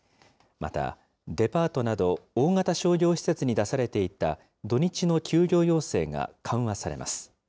またデパートなど、大型商業施設に出されていた土日の休業要請が緩和されます。